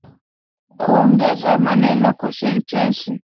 Kuongeze maneno kwa sentensi